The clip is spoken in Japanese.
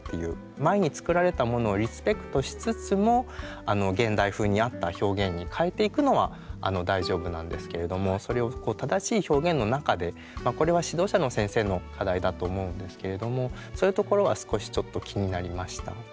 前に作られたものをリスペクトしつつも現代風に合った表現に変えていくのは大丈夫なんですけれどもそれを正しい表現の中でまあこれは指導者の先生の課題だと思うんですけれどもそういうところは少しちょっと気になりました。